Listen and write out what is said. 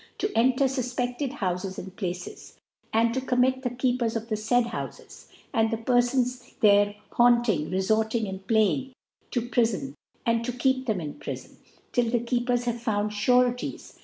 to enter, fufpeftcd Houfes and Places^ and to commit: the Keepers of the faid Uoufe$, and the Perfons there haunting, reforting, •and (.+3 )* and playing, to Prifon ; and to keep them ^ in IVifon, till the Keepers have found ' Sureties